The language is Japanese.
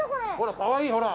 かわいいほら。